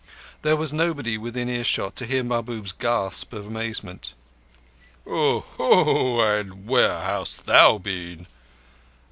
There was nobody within earshot to hear Mahbub's gasp of amazement. "Oho! And where hast thou been?"